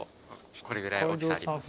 これぐらい大きさあります。